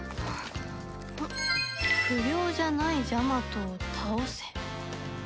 「不良じゃないジャマトを倒せ」。